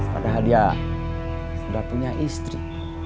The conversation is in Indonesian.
padahal dia sudah punya istri